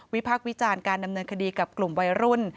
พักวิจารณ์การดำเนินคดีกับกลุ่มวัยรุ่น